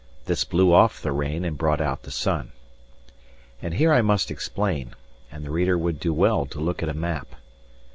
This blew off the rain and brought out the sun. And here I must explain; and the reader would do well to look at a map.